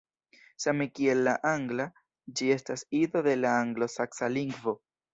Same kiel la angla, ĝi estas ido de la anglosaksa lingvo.